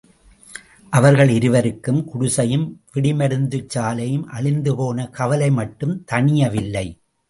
அவர்கள் இருவருக்கும் குடிசையும் வெடிமருந்துச் சாலையும் அழிந்துபோன கவலை மட்டும் தணியவில்லை.